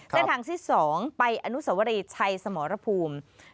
เส้นทางที่๒ไปอนุสวรีชัยสมรภูมิ